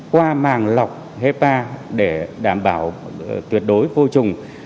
qua màng lọc hepa để đảm bảo tuyệt đối vô trùng